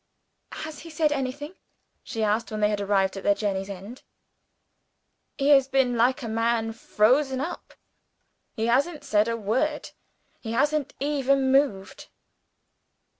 "Has he said anything?" she asked, when they had arrived at their journey's end. "He has been like a man frozen up; he hasn't said a word; he hasn't even moved."